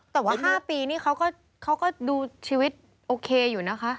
แต่ว่า๕ปีนี่เขาก็ดูชีวิตโอเคอยู่นะคะ